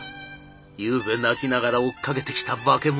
ゆうべ泣きながら追っかけてきた化け物。